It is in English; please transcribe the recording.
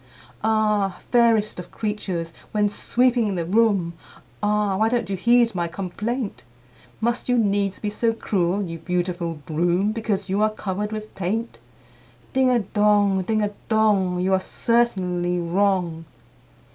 Ah! fairest of creatures, when sweeping the room, Ah! why don't you heed my complaint? Must you needs be so cruel, you beautiful Broom, Because you are covered with paint? Ding a dong, ding a dong! You are certainly wrong."